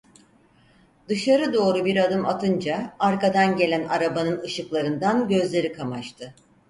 Dışarı doğru bir adım atınca arkadan gelen arabanın ışıklarından gözleri kamaştı.